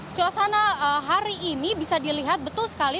suasana hari ini bisa dilihat betul sekali